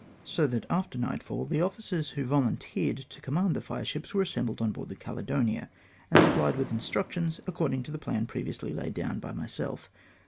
SO that after iiightfall, the officers who vokmteered to command the fireships were assembled on board the Caledonia, and supphed with mstructions according to the plan previously laid down by myself.